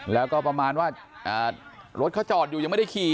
แล้วก็ประมาณว่ารถเขาจอดอยู่ยังไม่ได้ขี่